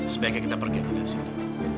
sebaiknya kita pergi ke sini